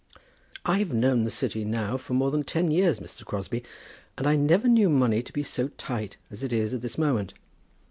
"I've known the City now for more than ten years, Mr. Crosbie, and I never knew money to be so tight as it is at this moment.